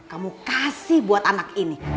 kamu kasih buat anak ini